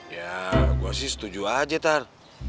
ya gua sih setuju aja tar